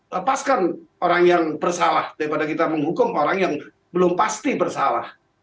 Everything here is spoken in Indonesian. lepaskan orang yang bersalah daripada kita menghukum orang yang belum pasti bersalah